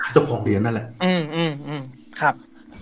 เจ้าของเหรียญนั่นแหละอืมอืมครับ